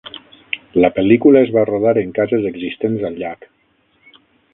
La pel·lícula es va rodar en cases existents al llac.